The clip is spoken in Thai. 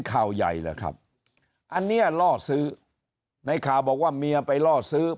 ข่าวใหญ่แหละครับอันเนี้ยล่อซื้อในข่าวบอกว่าเมียไปล่อซื้อ